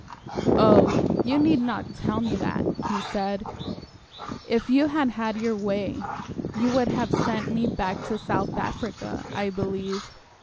"Oh, you need not tell me that," he said. "If you had had your way, you would have sent me back to South Africa, I believe."